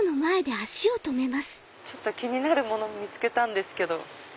ちょっと気になるもの見つけたんですけど。